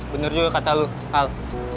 bener juga kata lu al